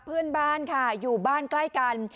เพื่อนบ้านค่ะอยู่บ้านใกล้กัน